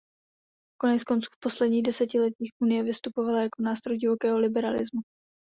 Koneckonců, v posledních desetiletích Unie vystupovala jako nástroj divokého liberalismu.